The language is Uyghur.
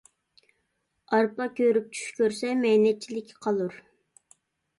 ئارپا كۆرۈپ چۈش كۆرسە مەينەتچىلىككە قالۇر.